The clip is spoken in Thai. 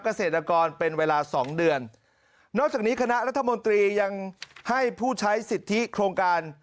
เกษตรกรเป็นเวลาสองเดือนนอกจากนี้คณะรัฐมนตรียังให้ผู้ใช้สิทธิโครงการ